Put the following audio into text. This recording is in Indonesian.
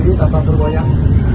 berdiri tanpa turun turun